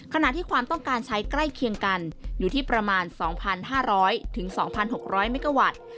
ขณะที่ความต้องการใช้ใกล้เคียงกันอยู่ที่ประมาณ๒๕๐๐๒๖๐๐เมกาวัตต์